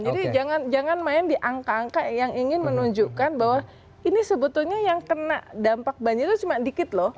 jadi jangan main di angka angka yang ingin menunjukkan bahwa ini sebetulnya yang kena dampak banjir itu cuma sedikit loh